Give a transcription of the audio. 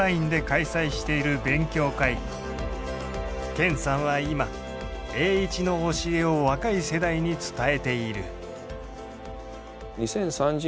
健さんは今栄一の教えを若い世代に伝えている。